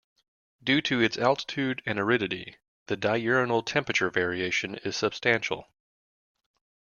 Due to its altitude and aridity, the diurnal temperature variation is substantial.